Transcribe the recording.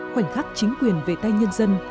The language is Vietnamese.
khoảnh khắc chính quyền về tay nhân dân